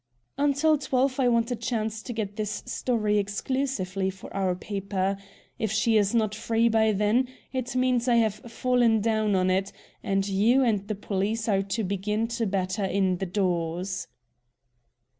"Until twelve I want a chance to get this story exclusively for our paper. If she is not free by then it means I have fallen down on it, and you and the police are to begin to batter in the doors."